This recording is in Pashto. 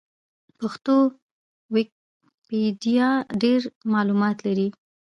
پښتو ويکيپېډيا ډېر معلومات لري.